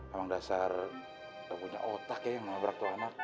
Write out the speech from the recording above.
emang dasar punya otak ya yang nabrak tuh anak